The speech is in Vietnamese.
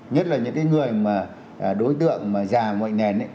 nhất là những cái người mà đối tượng mà già mọi nền